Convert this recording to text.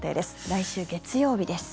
来週月曜日です。